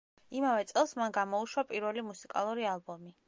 იმავე წელს მან გამოუშვა პირველი მუსიკალური ალბომი.